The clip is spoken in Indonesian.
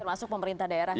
termasuk pemerintah daerahnya